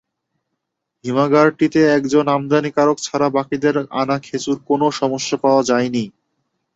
হিমাগারটিতে একজন আমদানিকারক ছাড়া বাকিদের আনা খেজুরে কোনো সমস্যা পাওয়া যায়নি।